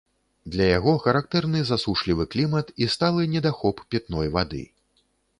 Для яго характэрны засушлівы клімат і сталы недахоп пітной вады.